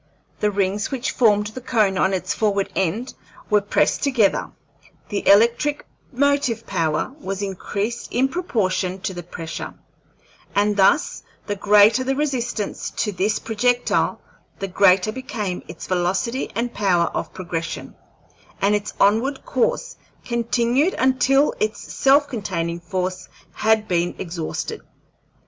The rings which formed the cone on its forward end were pressed together, the electric motive power was increased in proportion to the pressure, and thus the greater the resistance to this projectile the greater became its velocity and power of progression, and its onward course continued until its self containing force had been exhausted.